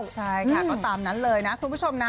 ใช่ค่ะก็ตามนั้นเลยนะคุณผู้ชมนะ